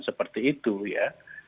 seperti itu ya